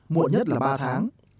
muộn nhất là ba tháng